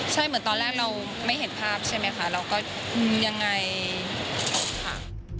ใช่เหมือนตอนแรกเราไม่เห็นภาพใช่ไหมคะเราก็ยังไงค่ะ